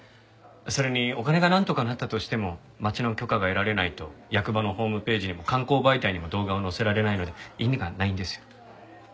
それにお金がなんとかなったとしても町の許可が得られないと役場のホームページにも観光媒体にも動画を載せられないので意味がないんですよ。